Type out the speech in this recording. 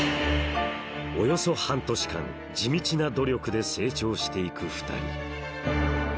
およそ半年間地道な努力で成長していく２人